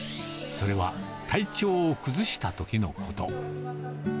それは、体調を崩したときのこと。